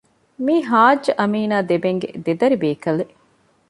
މީ ޙާއްޖު އަމީނާ ދެބެންގެ ދެދަރި ބޭކަލެއް